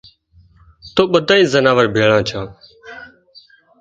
تو ٻڌانئي زناوۯ ڀيۯان ڇان